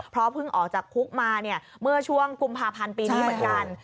เพราะเพิ่งออกจากคุกมาเนี่ยเมื่อช่วงกุมภาพันธ์ปีนี้เหมือนกัน